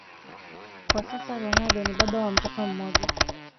Kwa sasa Ronaldo ni baba wa mtoto mmoja